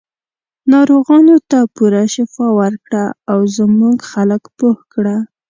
ناروغانو ته پوره شفا ورکړه او زموږ خلک پوه کړه.